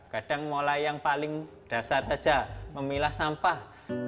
kadang mulai yang paling dasar saja memilah sampah